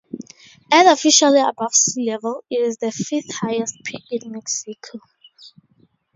At officially above sea level, it is the fifth-highest peak in Mexico.